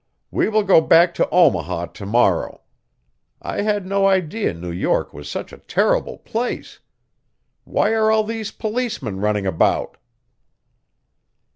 We will go back to Omaha to morrow. I had no idea New York was such a terrible place. Why are all these policemen running about?"